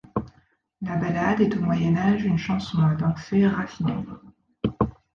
La ballade est au Moyen Âge une chanson à danser raffinée.